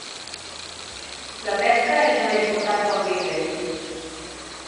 La pesca és una important font d'ingressos.